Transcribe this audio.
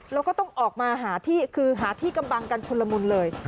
แล้วก็ต้องออกมาหาที่คือหาที่กำบังกันชนละมุนเลย